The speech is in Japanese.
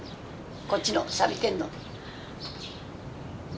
こっちの錆びてんの。